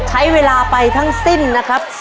ใช้เวลาไปทั้งสิ้นนะครับ